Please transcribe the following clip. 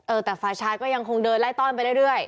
เออแต่ฟ้าชายก็ยังคงเดินไล่ต้อนไปได้ด้วย